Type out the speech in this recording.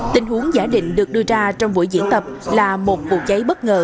tình huống giả định được đưa ra trong buổi diễn tập là một buộc giấy bất ngờ